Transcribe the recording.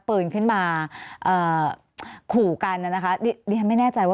มีประวัติศาสตร์ที่สุดในประวัติศาสตร์